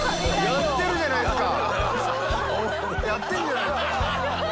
やってるじゃないですか！